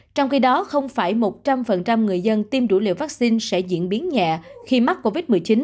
trong khi đó không phải một trăm linh người dân tiêm đủ liều vaccine sẽ diễn biến nhẹ khi mắc covid một mươi chín